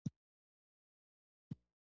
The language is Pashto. د چونې د تیږې کیمیاوي فورمول لري.